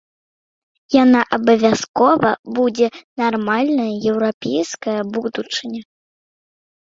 Яна абавязкова будзе, нармальная еўрапейская будучыня.